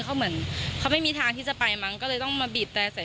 เขาเหมือนเขาไม่มีทางที่จะไปมั้งก็เลยต้องมาบีบแต่ใส่